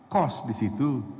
kos di situ